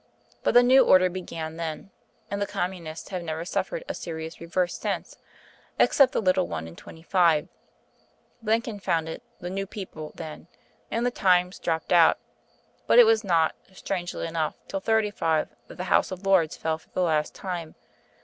But the new order began then; and the Communists have never suffered a serious reverse since, except the little one in '25. Blenkin founded 'The New People' then; and the 'Times' dropped out; but it was not, strangely enough, till '35 that the House of Lords fell for the last time.